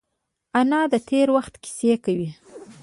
انا د تېر وخت کیسې کوي